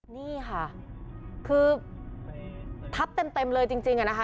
นี่ค่ะคือทับเต็มเต็มเลยจริงจริงอ่ะนะคะ